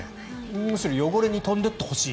むしろ汚れは飛んでいってほしい。